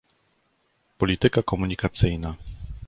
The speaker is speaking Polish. polityka komunikacyjna